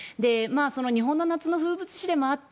日本の夏の風物詩でもあった